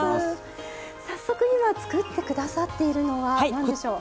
早速今作ってくださっているのは何でしょう。